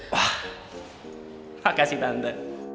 wah makasih tante